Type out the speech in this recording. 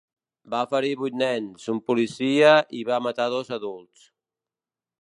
Va ferir vuit nens, un policia i va matar dos adults.